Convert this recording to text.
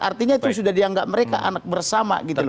artinya itu sudah dianggap mereka anak bersama gitu loh